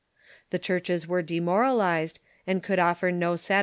The churches were demoralized, and could offer no sati.